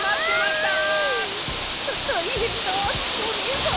たたいへんだあづきおねえさん。